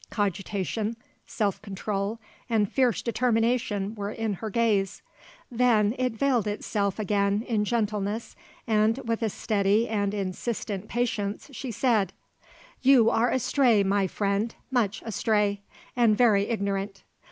Cogitation, self control and fierce determination were in her gaze; then it veiled itself again in gentleness and, with a steady and insistent patience, she said: "You are astray, my friend, much astray, and very ignorant.